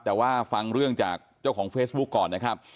แต่ว่าฟังเรื่องจากเจ้าของเฟซบุ๊กก่อนนะครับ